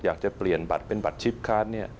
อยากจะเปลี่ยนบัตรเป็นบัตรชิปคาร์ดเนี่ย